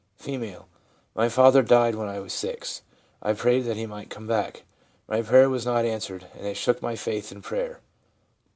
F. 'My father died when I was 6. I prayed that he might come back ; my prayer was not answered, and it shook my faith in prayer.'